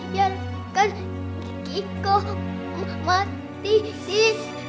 biarkan si kiko mati sis